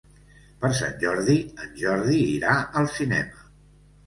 Per Sant Jordi en Jordi irà al cinema.